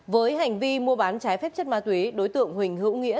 với hành vi mua bán trái phép chất ma túy đối tượng huỳnh hữu nghĩa